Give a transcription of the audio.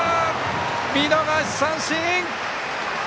見逃し三振！